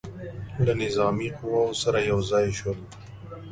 له نظامي قواوو سره یو ځای شول.